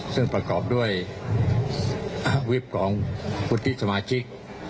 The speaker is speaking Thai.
ซึ่งประกอบด้วยวิปของวุฒิสมาชิก